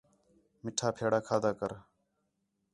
مِٹھا پھیݨاں کھادا کر